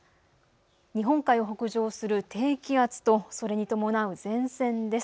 日本海を北上する低気圧とそれに伴う前線です。